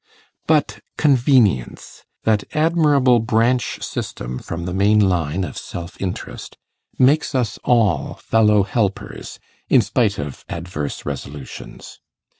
But convenience, that admirable branch system from the main line of self interest, makes us all fellow helpers in spite of adverse resolutions.